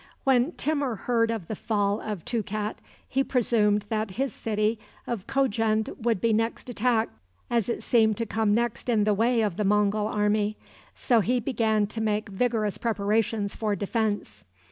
When Timur heard of the fall of Toukat, he presumed that his city of Kojend would be next attacked, as it seemed to come next in the way of the Mongul army; so he began to make vigorous preparations for defense.